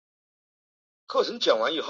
不论他做的是什么工作